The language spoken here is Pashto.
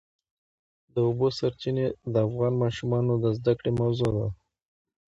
د اوبو سرچینې د افغان ماشومانو د زده کړې موضوع ده.